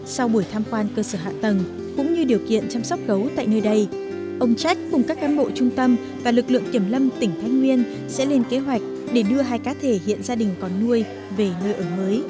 sau buổi tham quan cơ sở hạ tầng cũng như điều kiện chăm sóc gấu tại nơi đây ông trách cùng các cán bộ trung tâm và lực lượng kiểm lâm tỉnh thái nguyên sẽ lên kế hoạch để đưa hai cá thể hiện gia đình còn nuôi về nơi ở mới